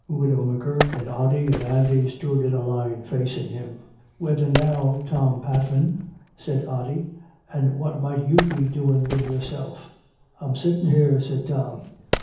Widow M'Gurk and Ody and Andy stood in a line facing him. " Whethen now, Tom Patman," said Ody, " and what might you be doin' wid yourself?" " I'm sittin' here," said Tom.